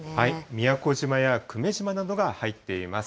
宮古島や久米島などが入っています。